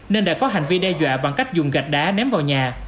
nên đã có hành vi đe dọa bằng cách dùng gạch đá ném vào nhà